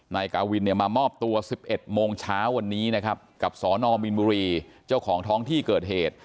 นายกาวินเนี่ยมามอบตัว๑๑โมงเช้าวันนี้นะครับกับสนมีนบุรีเจ้าของท้องที่เกิดเหตุ